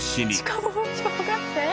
しかも小学生？